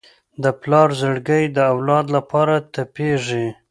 د پلار زړګی د اولاد لپاره تپېږي.